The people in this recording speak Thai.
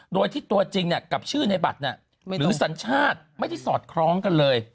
โดยที่ตัวจริงกับชื่อในบัตรหรือสัญชาติไม่ได้สอดคล้องกันเลย